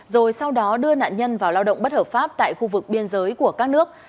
rồi sau đó đưa nạn nhân vào lao động bất hợp pháp tại khu vực biên giới của các nước